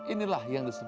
inilah yang disampaikan